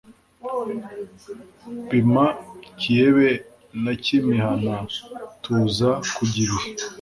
Bima Kiyebe na Kimihana Tuza kujya ibihe